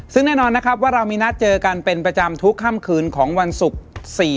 ซึ่งแน่นอนนะครับว่าเรามีนัดเจอกันเป็นประจำทุกค่ำคืนของวันศุกร์